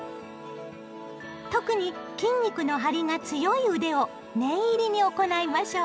特に筋肉の張りが強い腕を念入りに行いましょう。